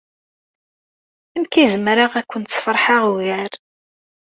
Amek ay zemreɣ ad kent-sfeṛḥeɣ ugar?